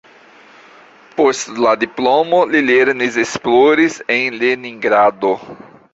Post la diplomo li lernis-esploris en Leningrado.